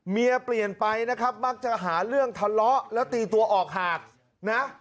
เปลี่ยนไปนะครับมักจะหาเรื่องทะเลาะแล้วตีตัวออกหากนะ